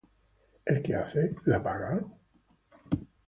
El que hace la paga.